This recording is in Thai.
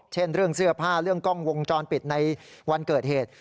เช่นเรื่องเสื้อผ้าเรื่องกล้องวงจรปิดในวันเกิดเหตุ